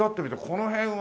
この辺は。